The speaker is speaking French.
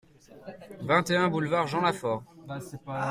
vingt et un boulevard Jean Lafaure